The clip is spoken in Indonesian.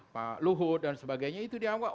pak luhut dan sebagainya itu dianggap